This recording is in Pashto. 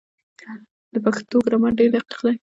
د پښتو ګرامر ډېر دقیق دی.